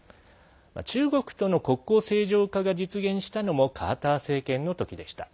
中国との国交正常化が実現したのもカーター政権のときでした。